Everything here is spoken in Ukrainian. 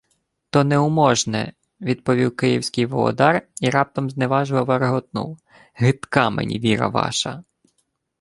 — То неуможне, — відповів київський володар і раптом зневажливо реготнув: — Гидка мені віра ваша!